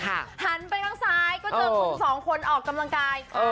หันไปข้างซ้ายก็เจอคุณสองคนออกกำลังกาย